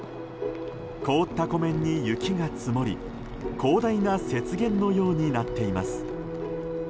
凍った湖面に雪が積もり広大な雪原のようになっています。